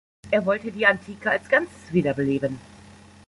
Er wollte die Antike als Ganzes wiederbeleben.